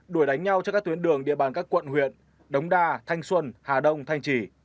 đuổi đánh nhau trên các tuyến đường địa bàn các quận huyện đống đa thanh xuân hà đông thanh trì